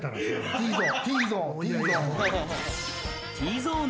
Ｔゾーン。